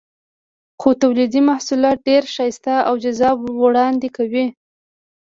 خپل تولیدي محصولات ډېر ښایسته او جذاب وړاندې کوي.